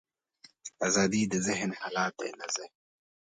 ازادي د ذهن حالت دی، نه ځای.